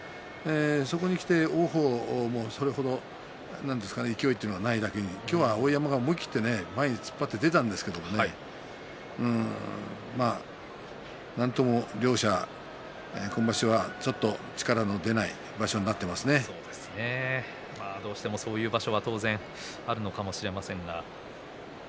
そこにきて相手の王鵬も、それ程勢いがないだけに今日は碧山が思い切り前に突っ張って出たんですけどなんとも両者、今場所はちょっと力が出ない場所にどうしてもそういう場所が当然あるのかもしれませんが。